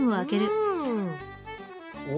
うん。